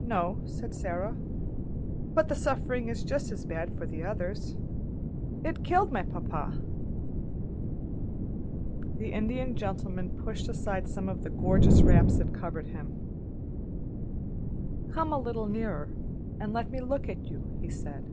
"No," said Sara, "but the suffering is just as bad for the others. It killed my papa." The Indian Gentleman pushed aside some of the gorgeous wraps that covered him. "Come a little nearer, and let me look at you," he said.